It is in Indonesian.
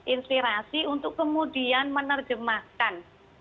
inspirasi untuk kemudian menerjemahkan